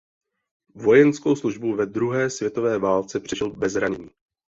Vojenskou službu ve druhé světové válce přežil bez zranění.